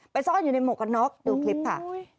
ซ่อนอยู่ในหมวกกันน็อกดูคลิปค่ะ